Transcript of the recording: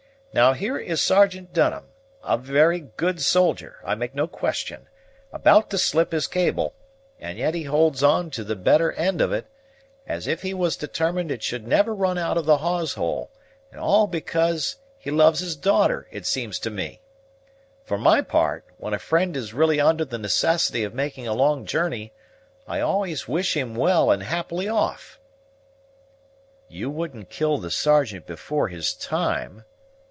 Now, here is Sergeant Dunham, a very good soldier, I make no question, about to slip his cable; and yet he holds on to the better end of it, as if he was determined it should never run out of the hawse hole; and all because he loves his daughter, it seems to me. For my part, when a friend is really under the necessity of making a long journey, I always wish him well and happily off." "You wouldn't kill the Sergeant before his time?"